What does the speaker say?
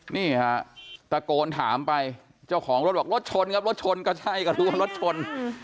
นี่ฮะตะโกนถามไปเจ้าของรถบอกรถชนครับรถชนก็ใช่ก็รู้ว่ารถชน